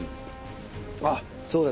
あっそうだ。